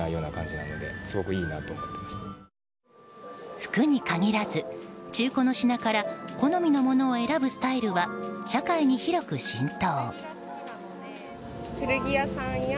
服に限らず、中古の品から好みのものを選ぶスタイルは社会に広く浸透。